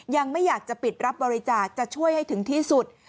ยังไม่อยากจะปิดรับบริจาคจะช่วยให้ถึงที่สุด